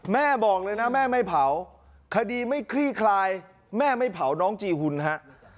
แม่บอกเลยนะแม่ไม่เผาคดีไม่คลี่คลายแม่ไม่เผาน้องจีหุ่นฮะ